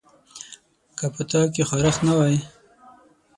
که په تا کې خارښت نه وای